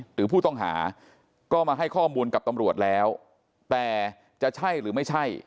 หรือผู้ต้องหาก็มาให้ข้อมูลกับตำรวจแล้วแต่จะใช่หรือไม่ใช่